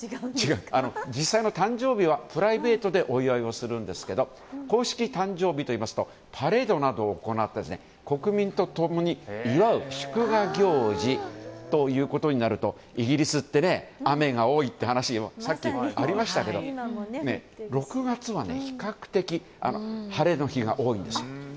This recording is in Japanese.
実際の誕生日はプライベートでお祝いをするんですけど公式誕生日といいますとパレードなどを行って国民と共に祝う祝賀行事ということになるとイギリスって、雨が多いって話さっきありましたけど６月は比較的晴れの日が多いんですよ。